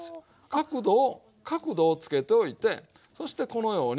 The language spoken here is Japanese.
角度を角度をつけておいてそしてこのように。